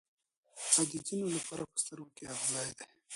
او د ځینو لپاره په سترګو کې اغزی دی.